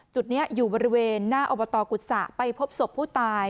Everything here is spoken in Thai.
จุดนี้อยู่บริเวณหน้าอบตกุษะไปพบศพผู้ตาย